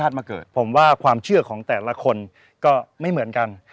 เท่านั้นเอง